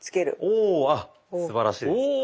おあすばらしいです。